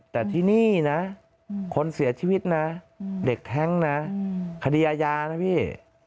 แต่ที่นี่นะคนเสียชีวิตนะเด็กแท้งนะคดีอาญานะพี่